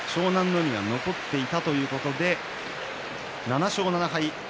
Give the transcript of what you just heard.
海の足が残っていたということで７勝７敗